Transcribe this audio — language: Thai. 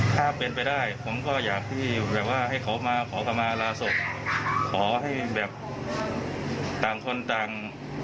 ถ้าเป็นไปได้ผมก็อยากที่แบบว่าให้เขามาขอคำมาลาศพขอให้แบบต่างคนต่าง